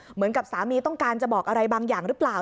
เหมือนกับสามีต้องการจะบอกอะไรบางอย่างหรือเปล่า